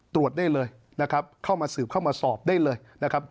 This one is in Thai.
ตรวจได้เลยนะครับเข้ามาสืบเข้ามาสอบได้เลยนะครับ